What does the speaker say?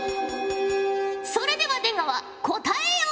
それでは出川答えよ！